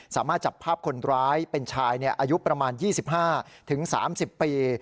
สามารถจับภาพคนร้ายเป็นชายอายุประมาณ๒๕๓๐ปี